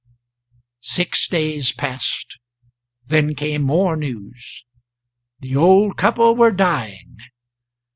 Six days passed, then came more news. The old couple were dying.